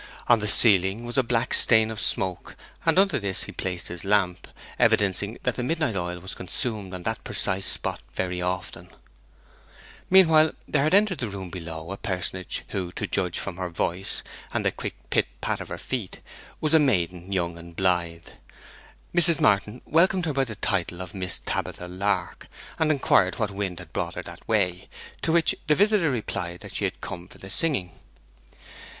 On the ceiling was a black stain of smoke, and under this he placed his lamp, evidencing that the midnight oil was consumed on that precise spot very often. Meanwhile there had entered to the room below a personage who, to judge from her voice and the quick pit pat of her feet, was a maiden young and blithe. Mrs. Martin welcomed her by the title of Miss Tabitha Lark, and inquired what wind had brought her that way; to which the visitor replied that she had come for the singing.